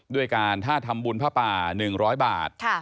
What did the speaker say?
ด้วยการถ้าทำบุญผ้าป่า๑๐๐บาท